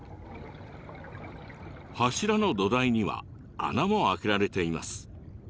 柱の土台には穴も開けられています。